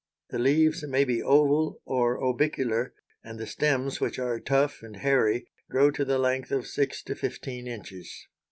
The leaves may be oval or orbicular, and the stems which are tough and hairy grow to the length of six to fifteen inches.